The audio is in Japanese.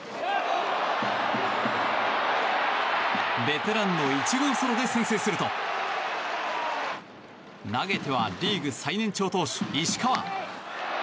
ベテランの１号ソロで先制すると投げてはリーグ最年長投手石川。